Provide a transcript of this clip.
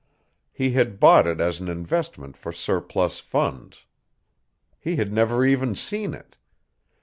He had bought it as an investment for surplus funds. He had never even seen it.